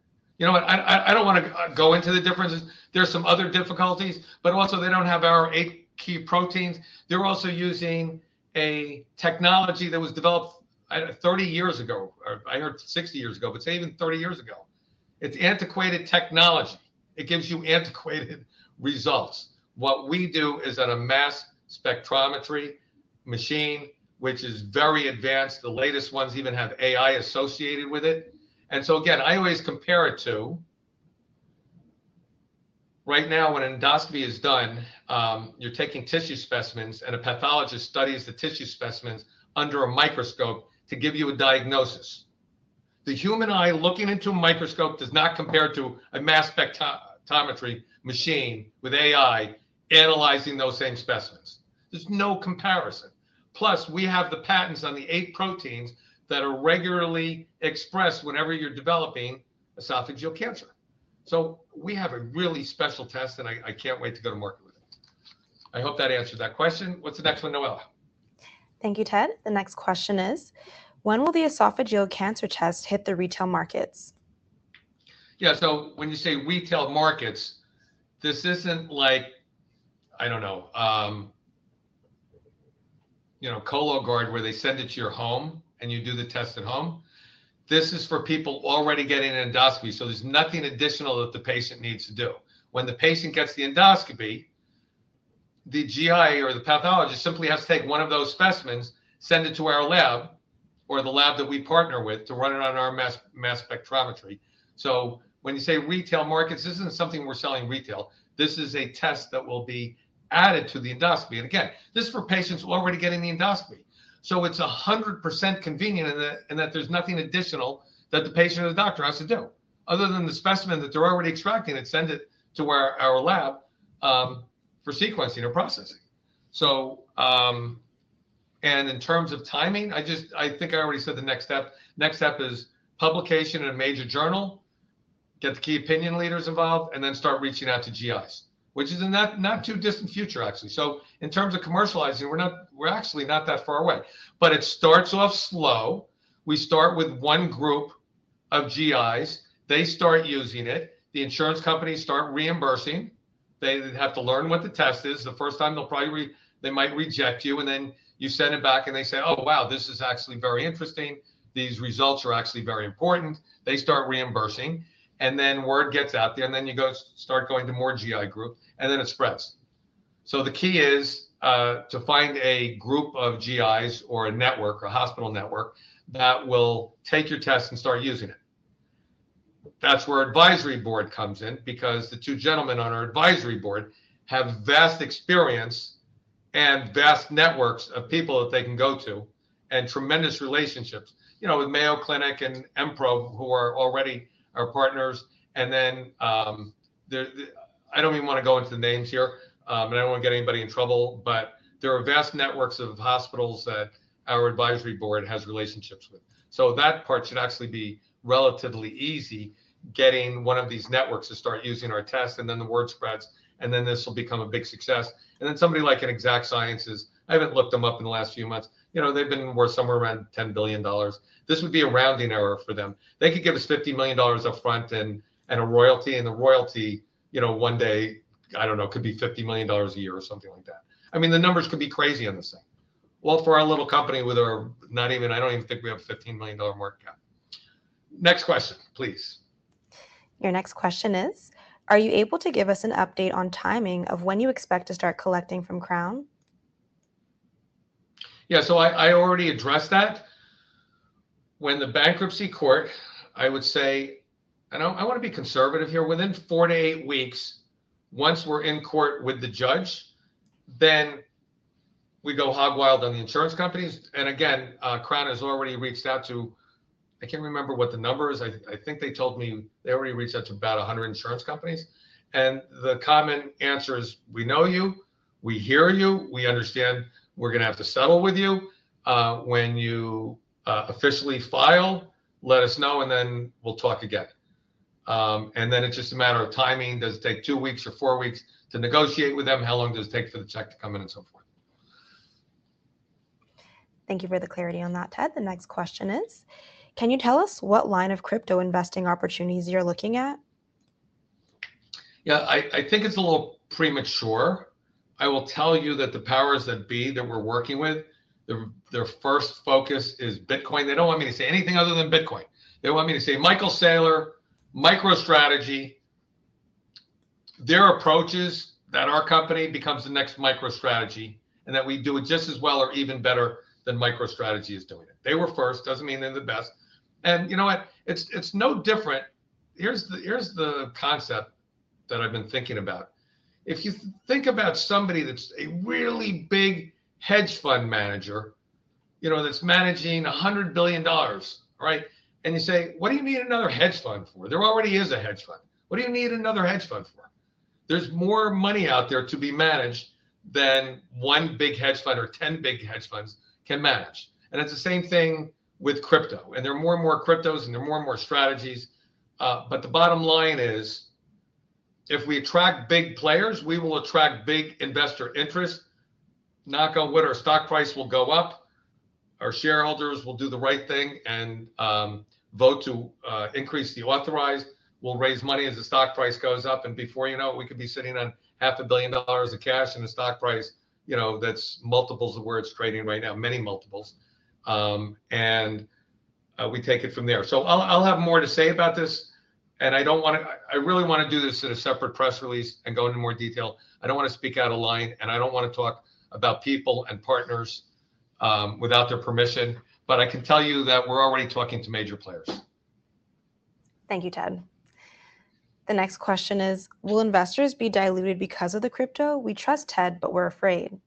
you know what? I don't want to go into the difference. There's some other difficulties. Also, they don't have our eight key proteins. They're also using a technology that was developed 30 years ago. I know it's 60 years ago, but say even 30 years ago. It's antiquated technology. It gives you antiquated results. What we do is at a mass spectrometry machine, which is very advanced. The latest ones even have AI associated with it. Again, I always compare it to right now, when an endoscopy is done, you're taking tissue specimens, and a pathologist studies the tissue specimens under a microscope to give you a diagnosis. The human eye looking into a microscope does not compare to a mass spectrometry machine with AI analyzing those same specimens. There's no comparison. Plus, we have the patents on the eight proteins that are regularly expressed whenever you're developing esophageal cancer. We have a really special test, and I can't wait to go to market with it. I hope that answered that question. What's the next one, Noella? Thank you, Ted. The next question is, when will the BE-Smart Esophageal Cancer Test hit the retail markets? Yeah, so when you say retail markets, this isn't like, I don't know, you know, Cologuard where they send it to your home and you do the test at home. This is for people already getting an endoscopy. There's nothing additional that the patient needs to do. When the patient gets the endoscopy, the GI or the pathologist simply has to take one of those specimens, send it to our lab or the lab that we partner with to run it on our mass spectrometry. When you say retail markets, this isn't something we're selling retail. This is a test that will be added to the endoscopy. This is for patients already getting the endoscopy. It's 100% convenient in that there's nothing additional that the patient or the doctor has to do other than the specimen that they're already extracting and send it to our lab for sequencing or processing. In terms of timing, I think I already said the next step. Next step is publication in a major journal, get the key opinion leaders involved, and then start reaching out to GIs, which is in the not-too-distant future, actually. In terms of commercializing, we're actually not that far away. It starts off slow. We start with one group of GIs. They start using it. The insurance companies start reimbursing. They have to learn what the test is. The first time, they'll probably read they might reject you. You send it back, and they say, oh, wow, this is actually very interesting. These results are actually very important. They start reimbursing. The word gets out there. You start going to more GI groups. It spreads. The key is to find a group of GIs or a network, a hospital network that will take your test and start using it. That's where our advisory board comes in because the two gentlemen on our advisory board have vast experience and vast networks of people that they can go to and tremendous relationships with Mayo Clinic and EMPRO, who are already our partners. I don't even want to go into the names here. I don't want to get anybody in trouble. There are vast networks of hospitals that our advisory board has relationships with. That part should actually be relatively easy, getting one of these networks to start using our test. The word spreads. This will become a big success. Somebody like an Exact Sciences, I haven't looked them up in the last few months. They've been somewhere around $10 billion. This would be a rounding error for them. They could give us $50 million upfront and a royalty. The royalty, one day, I don't know, could be $50 million a year or something like that. I mean, the numbers could be crazy on the side. For our little company, we're not even—I don't even think we have a $15 million market cap. Next question, please. Your next question is, are you able to give us an update on timing of when you expect to start collecting from Crown Medical Collections? Yeah, I already addressed that. When the bankruptcy court, I would say I want to be conservative here, within 4-8 weeks, once we're in court with the judge, we go hog wild on the insurance companies. Crown Medical Collections has already reached out to, I can't remember what the number is, I think they told me they already reached out to about 100 insurance companies. The common answer is, we know you, we hear you, we understand we're going to have to settle with you. When you officially file, let us know, and we'll talk again. It's just a matter of timing. Does it take two weeks or four weeks to negotiate with them? How long does it take for the check to come in and so forth? Thank you for the clarity on that, Ted. The next question is, can you tell us what line of crypto investing opportunities you're looking at? Yeah, I think it's a little premature. I will tell you that the powers that be that we're working with, their first focus is Bitcoin. They don't want me to say anything other than Bitcoin. They want me to say Michael Saylor, MicroStrategy, their approach is that our company becomes the next MicroStrategy and that we do it just as well or even better than MicroStrategy is doing it. They were first. Doesn't mean they're the best. You know what? It's no different. Here's the concept that I've been thinking about. If you think about somebody that's a really big hedge fund manager, you know, that's managing $100 billion, and you say, what do you need another hedge fund for? There already is a hedge fund. What do you need another hedge fund for? There's more money out there to be managed than one big hedge fund or 10 big hedge funds can manage. It's the same thing with crypto. There are more and more cryptos, and there are more and more strategies. The bottom line is, if we attract big players, we will attract big investor interest. Knock on wood, our stock price will go up. Our shareholders will do the right thing and vote to increase the authorized. We'll raise money as the stock price goes up. Before you know it, we could be sitting on half a billion dollars of cash and a stock price that's multiples of where it's trading right now, many multiples. We take it from there. I'll have more to say about this. I really want to do this in a separate press release and go into more detail. I don't want to speak out of line. I don't want to talk about people and partners without their permission. I can tell you that we're already talking to major players. Thank you, Ted. The next question is, will investors be diluted because of the crypto? We trust Ted, but we're afraid.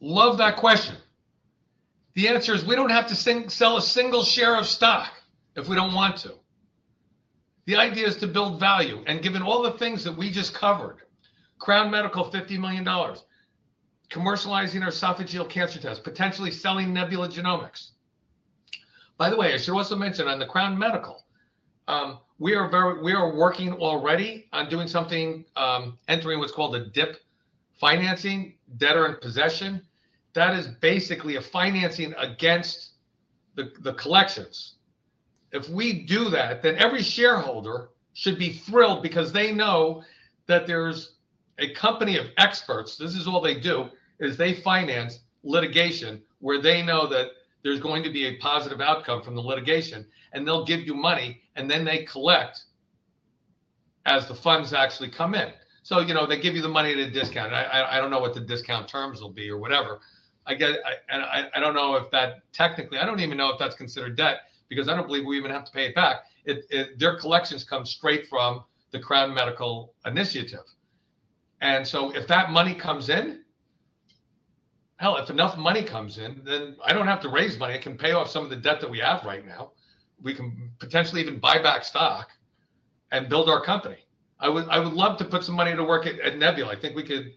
Love that question. The answer is, we don't have to sell a single share of stock if we don't want to. The idea is to build value. Given all the things that we just covered, Crown Medical, $50 million, commercializing our esophageal cancer test, potentially selling Nebula Genomics. By the way, I should also mention on the Crown Medical, we are working already on doing something, entering what's called a DIP financing, debtor in possession. That is basically a financing against the collections. If we do that, then every shareholder should be thrilled because they know that there's a company of experts. This is all they do, is they finance litigation where they know that there's going to be a positive outcome from the litigation. They'll give you money, and then they collect as the funds actually come in. They give you the money at a discount. I don't know what the discount terms will be or whatever. I don't know if that technically, I don't even know if that's considered debt because I don't believe we even have to pay it back. Their collections come straight from the Crown Medical initiative. If that money comes in, hell, if enough money comes in, then I don't have to raise money. It can pay off some of the debt that we have right now. We can potentially even buy back stock and build our company. I would love to put some money to work at Nebula. I think we could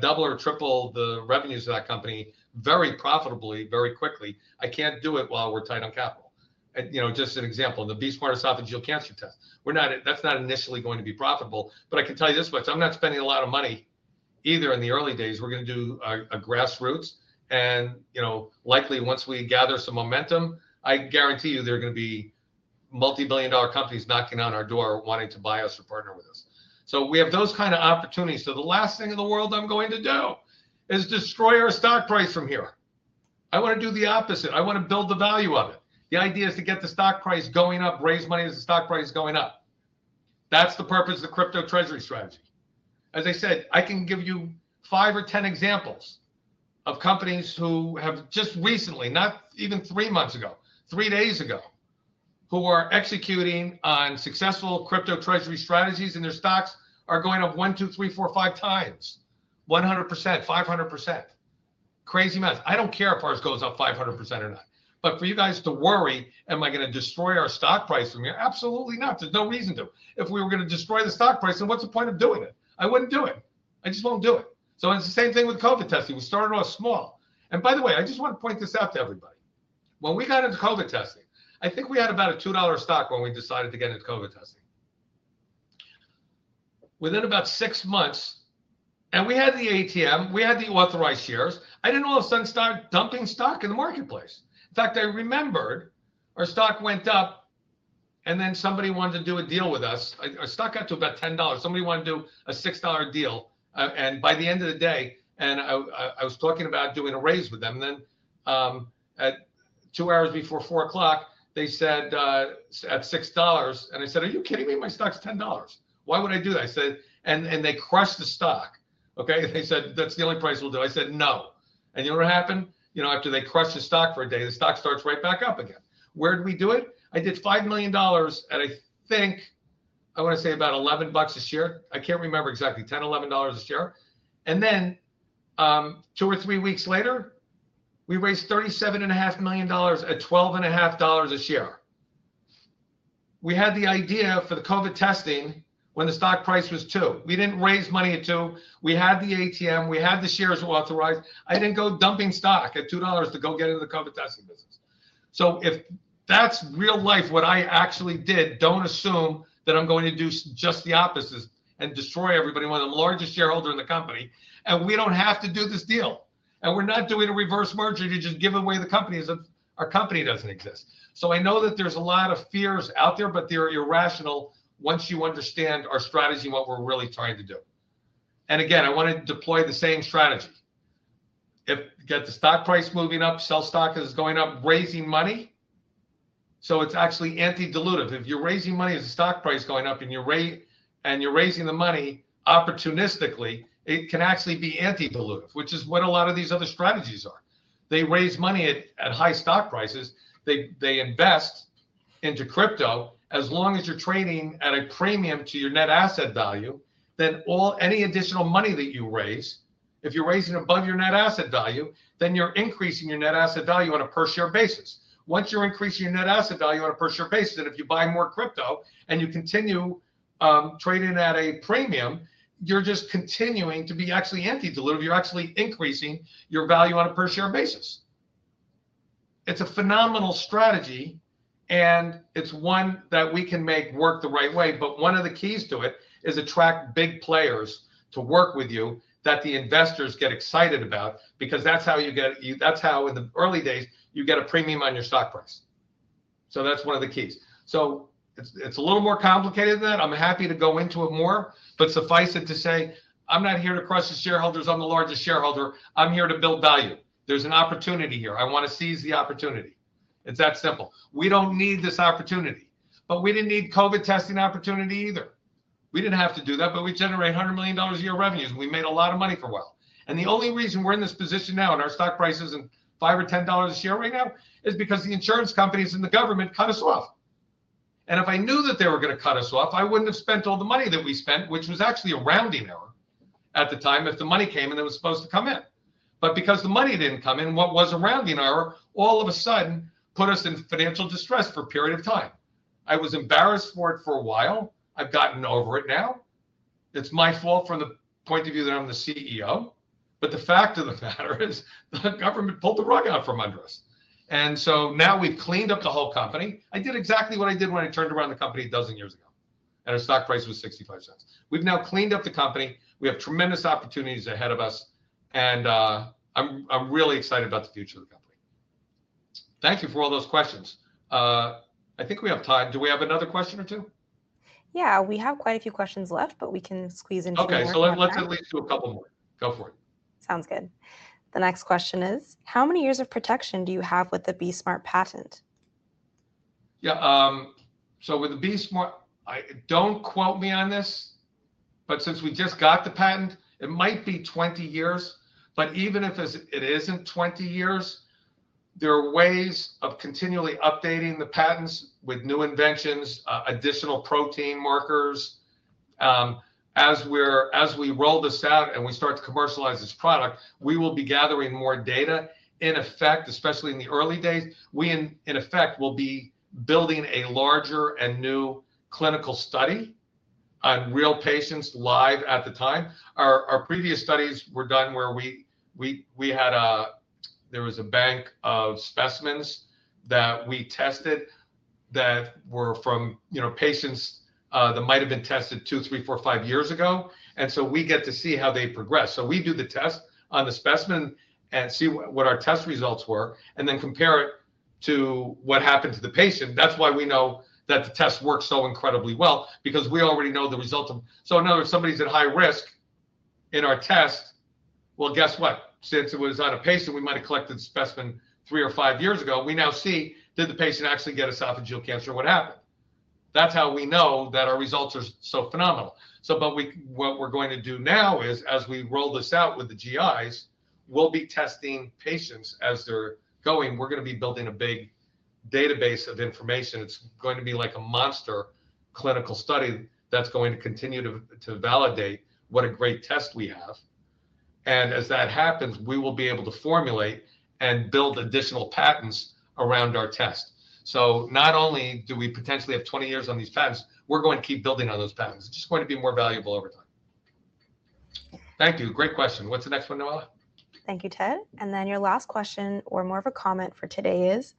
double or triple the revenues of that company very profitably, very quickly. I can't do it while we're tight on capital. Just an example, the BE-Smart Esophageal Cancer Test. That's not initially going to be profitable. I can tell you this much, I'm not spending a lot of money either in the early days. We're going to do a grassroots. Likely, once we gather some momentum, I guarantee you there are going to be multi-billion dollar companies knocking on our door wanting to buy us or partner with us. We have those kind of opportunities. The last thing in the world I'm going to do is destroy our stock price from here. I want to do the opposite. I want to build the value of it. The idea is to get the stock price going up, raise money as the stock price is going up. That's the purpose of the crypto treasury strategy. As I said, I can give you five or 10 examples of companies who have just recently, not even three months ago, three days ago, who are executing on successful crypto treasury strategies. Their stocks are going up one, two, three, four, five times, 100%, 500%. Crazy math. I don't care if ours goes up 500% or not. For you guys to worry, am I going to destroy our stock price from here? Absolutely not. There's no reason to. If we were going to destroy the stock price, then what's the point of doing it? I wouldn't do it. I just won't do it. It's the same thing with COVID testing. We started off small. By the way, I just want to point this out to everybody. When we got into COVID testing, I think we had about a $2 stock when we decided to get into COVID testing. Within about six months, we had the ATM. We had the authorized shares. I didn't all of a sudden start dumping stock in the marketplace. In fact, I remembered our stock went up. Then somebody wanted to do a deal with us. Our stock got to about $10. Somebody wanted to do a $6 deal. By the end of the day, I was talking about doing a raise with them. At two hours before 4:00 P.M., they said at $6. I said, are you kidding me? My stock's $10. Why would I do that? They crushed the stock. They said, that's the only price we'll do. I said, no. You know what happened? After they crushed the stock for a day, the stock starts right back up again. Where did we do it? I did $5 million. I think I want to say about $11 a share. I can't remember exactly, $10, $11 a share. Two or three weeks later, we raised $37.5 million at $12.5 a share. We had the idea for the COVID testing when the stock price was $2. We didn't raise money at $2. We had the ATM. We had the shares authorized. I didn't go dumping stock at $2 to go get into the COVID testing business. If that's real life, what I actually did, don't assume that I'm going to do just the opposite and destroy everybody, one of the largest shareholders in the company. We don't have to do this deal. We're not doing a reverse merger to just give away the company. Our company doesn't exist. I know that there's a lot of fears out there. They're irrational once you understand our strategy and what we're really trying to do. I want to deploy the same strategy. Get the stock price moving up. Sell stock as it's going up. Raising money. It's actually anti-diluted. If you're raising money as the stock price is going up and you're raising the money opportunistically, it can actually be anti-dilute, which is what a lot of these other strategies are. They raise money at high stock prices. They invest into crypto. As long as you're trading at a premium to your net asset value, then any additional money that you raise, if you're raising above your net asset value, then you're increasing your net asset value on a per-share basis. Once you're increasing your net asset value on a per-share basis, and if you buy more crypto and you continue trading at a premium, you're just continuing to be actually anti-dilute. You're actually increasing your value on a per-share basis. It's a phenomenal strategy. It's one that we can make work the right way. One of the keys to it is attract big players to work with you that the investors get excited about because that's how you get, that's how in the early days, you get a premium on your stock price. That's one of the keys. It's a little more complicated than that. I'm happy to go into it more. Suffice it to say, I'm not here to crush the shareholders. I'm the largest shareholder. I'm here to build value. There's an opportunity here. I want to seize the opportunity. It's that simple. We don't need this opportunity. We didn't need COVID testing opportunity either. We didn't have to do that. We generate $100 million a year revenues. We made a lot of money for a while. The only reason we're in this position now and our stock price isn't $5 or $10 a share right now is because the insurance companies and the government cut us off. If I knew that they were going to cut us off, I wouldn't have spent all the money that we spent, which was actually a rounding error at the time if the money came in that was supposed to come in. Because the money didn't come in, what was a rounding error all of a sudden put us in financial distress for a period of time. I was embarrassed for it for a while. I've gotten over it now. It's my fault from the point of view that I'm the CEO. The fact of the matter is the government pulled the rug out from under us. Now we've cleaned up the whole company. I did exactly what I did when I turned around the company a dozen years ago. Our stock price was $0.65. We've now cleaned up the company. We have tremendous opportunities ahead of us. I'm really excited about the future of the company. Thank you for all those questions. I think we have time. Do we have another question or two? Yeah, we have quite a few questions left, but we can squeeze into the Q&A. OK, let's at least do a couple more. Go for it. Sounds good. The next question is, how many years of protection do you have with the BE-Smart patent? Yeah, so with the BE-Smart, don't quote me on this. But since we just got the patent, it might be 20 years. Even if it isn't 20 years, there are ways of continually updating the patents with new inventions, additional protein markers. As we roll this out and we start to commercialize this product, we will be gathering more data. In effect, especially in the early days, we in effect will be building a larger and new clinical study on real patients live at the time. Our previous studies were done where we had a bank of specimens that we tested that were from patients that might have been tested two, three, four, five years ago. We get to see how they progress. We do the test on the specimen and see what our test results were and then compare it to what happened to the patient. That's why we know that the test works so incredibly well because we already know the results of it. In other words, somebody's at high risk in our test. Guess what? Since it was on a patient, we might have collected a specimen three or five years ago. We now see, did the patient actually get esophageal cancer? What happened? That's how we know that our results are so phenomenal. What we're going to do now is, as we roll this out with the GIs, we'll be testing patients as they're going. We're going to be building a big database of information. It's going to be like a monster clinical study that's going to continue to validate what a great test we have. As that happens, we will be able to formulate and build additional patents around our test. Not only do we potentially have 20 years on these patents, we're going to keep building on those patents. It's just going to be more valuable over time. Thank you. Great question. What's the next one, Noella? Thank you, Ted. Your last question or more of a comment for today is,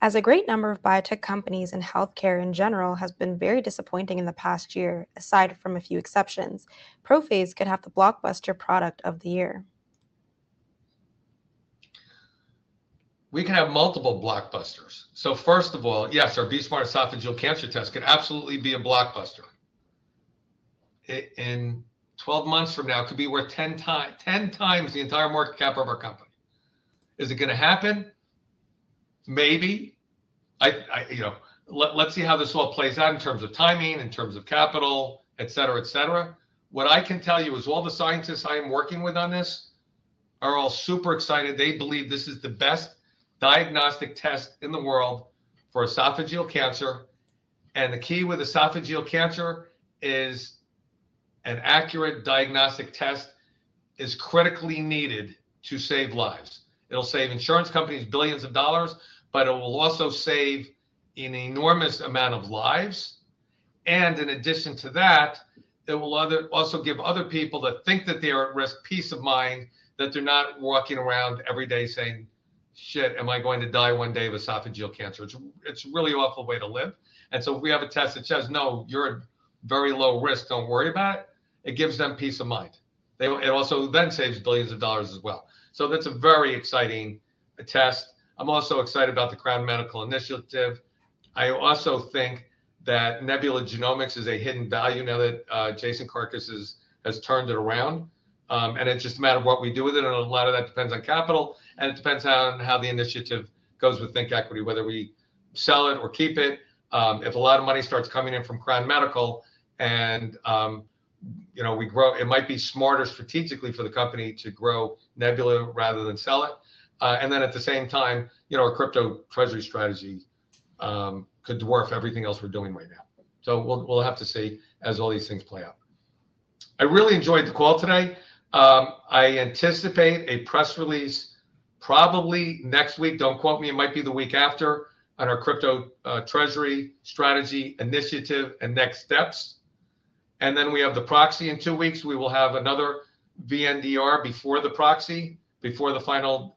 as a great number of biotech companies and health care in general have been very disappointing in the past year, aside from a few exceptions, ProPhase could have the blockbuster product of the year. We could have multiple blockbusters. First of all, yes, our BE-Smart Esophageal Cancer Test could absolutely be a blockbuster. In 12 months from now, it could be worth 10x the entire market cap of our company. Is it going to happen? Maybe. Let's see how this all plays out in terms of timing, in terms of capital, etc. What I can tell you is all the scientists I am working with on this are all super excited. They believe this is the best diagnostic test in the world for esophageal cancer. The key with esophageal cancer is an accurate diagnostic test is critically needed to save lives. It'll save insurance companies billions of dollars. It will also save an enormous amount of lives. In addition to that, it will also give other people that think that they are at risk peace of mind, that they're not walking around every day saying, shit, am I going to die one day of esophageal cancer? It's a really awful way to live. If we have a test that says, no, you're at very low risk, don't worry about it, it gives them peace of mind. It also then saves billions of dollars as well. That's a very exciting test. I'm also excited about the Crown Medical initiative. I also think that Nebula Genomics is a hidden value now that Jason Karkus has turned it around. It's just a matter of what we do with it. A lot of that depends on capital. It depends on how the initiative goes with ThinkEquity, whether we sell it or keep it. If a lot of money starts coming in from Crown Medical and we grow, it might be smartest strategically for the company to grow Nebula rather than sell it. At the same time, a crypto treasury strategy could dwarf everything else we're doing right now. We'll have to see as all these things play out. I really enjoyed the call today. I anticipate a press release probably next week. Don't quote me. It might be the week after on our crypto treasury strategy initiative and next steps. We have the proxy. In two weeks, we will have another VNDR before the proxy, before the final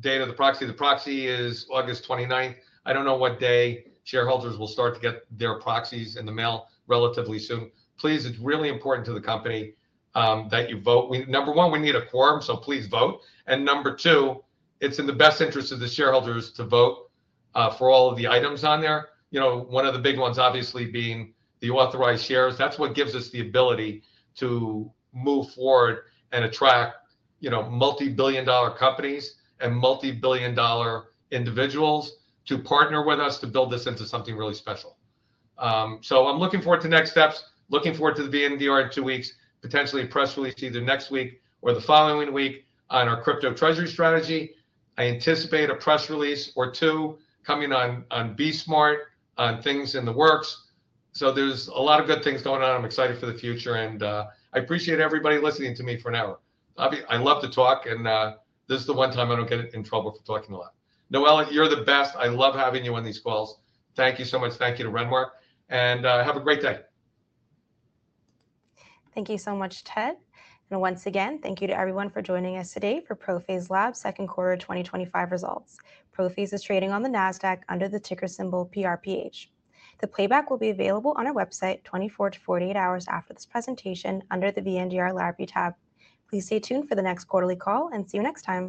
date of the proxy. The proxy is August 29. I don't know what day shareholders will start to get their proxies in the mail relatively soon. Please, it's really important to the company that you vote. Number one, we need a quorum. Please vote. Number two, it's in the best interest of the shareholders to vote for all of the items on there. One of the big ones, obviously, being the authorized shares. That's what gives us the ability to move forward and attract multi-billion dollar companies and multi-billion dollar individuals to partner with us to build this into something really special. I am looking forward to next steps, looking forward to the VNDR in two weeks, potentially a press release either next week or the following week on our crypto treasury strategy. I anticipate a press release or two coming on BE-Smart on things in the works. There are a lot of good things going on. I'm excited for the future. I appreciate everybody listening to me for an hour. I love to talk. This is the one time I don't get in trouble for talking a lot. Noella, you're the best. I love having you on these calls. Thank you so much. Thank you to Venmark. Have a great day. Thank you so much, Ted. Thank you to everyone for joining us today for ProPhase Labs' second quarter 2025 results. ProPhase is trading on the NASDAQ under the ticker symbol PRPH. The playback will be available on our website 24-48 hours after this presentation under the VNDR Library tab. Please stay tuned for the next quarterly call. See you next time.